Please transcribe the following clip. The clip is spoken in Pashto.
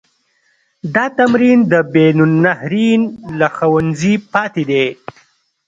دا تمرین د بین النهرین له ښوونځي پاتې دی.